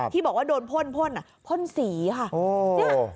ที่บอกว่าโดนพ่นพ่นพ่นสีค่ะ